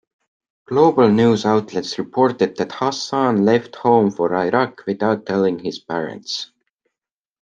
Global news outlets reported that Hassan left home for Iraq without telling his parents.